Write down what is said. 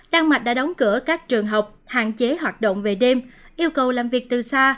đan mạch đã đóng cửa các trường học hạn chế hoạt động về đêm yêu cầu làm việc từ xa